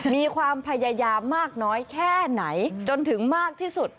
มีความพยายามมากน้อยแค่ไหนจนถึงมากที่สุด